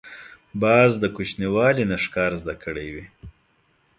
باز د کوچنیوالي نه ښکار زده کړی وي